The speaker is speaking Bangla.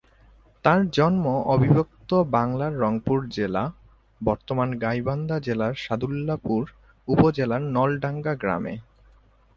তার জন্ম অবিভক্ত বাংলার রংপুর জেলা, বর্তমান গাইবান্ধা জেলার সাদুল্লাপুর উপজেলার নলডাঙ্গা গ্রামে।